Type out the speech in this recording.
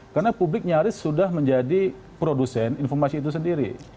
karena publik nyaris sudah menjadi produsen informasi itu sendiri